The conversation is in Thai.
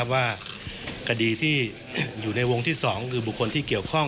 ว่าคดีที่อยู่ในวงที่๒คือบุคคลที่เกี่ยวข้อง